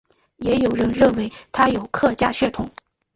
也有人认为他有客家血统。